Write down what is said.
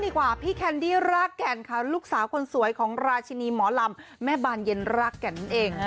ดีกว่าพี่แคนดี้รักแข็นค่ะลูกสาวกันสวยของราชินีหมอลำแม่บ้านเย็นรักอย่าง